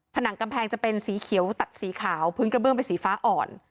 ผนังกำแพงจะเป็นสีเขียวตัดสีขาวพื้นกระเบื้องเป็นสีฟ้าอ่อน